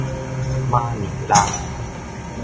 馬尼拉